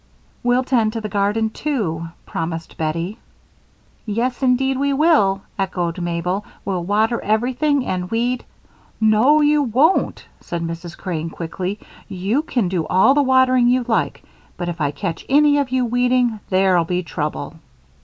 "We'll tend to the garden, too," promised Bettie. "Yes, indeed we will," echoed Mabel. "We'll water everything and weed " "No, you won't," said Mrs. Crane, quickly. "You can do all the watering you like, but if I catch any of you weeding, there'll be trouble."